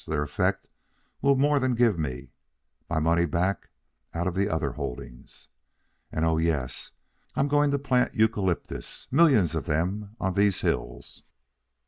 Their effect will more than give me my money back out of the other holdings. And, oh, yes, I'm going to plant eucalyptus, millions of them, on these hills."